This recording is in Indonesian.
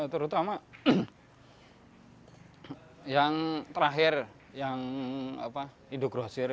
terutama yang terakhir yang indogrosir